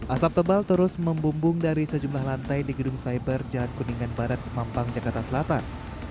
asap tebal terus membumbung dari sejumlah lantai di gedung cyber jalan kuningan barat mampang jakarta selatan